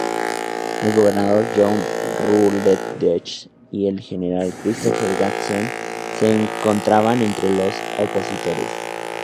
El gobernador John Rutledge y el general Christopher Gadsden se encontraban entre los opositores.